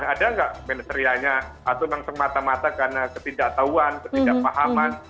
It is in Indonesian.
ada nggak manasrianya atau langsung mata mata karena ketidaktahuan ketidakpahaman